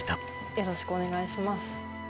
よろしくお願いします。